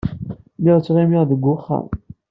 Lliɣ ttɣimiɣ deg wexxam.